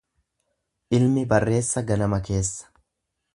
Ilmi barreessa ganama keessa.